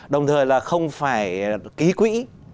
đồng thời là không phải ký quỹ